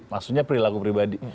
maksudnya perilaku pribadi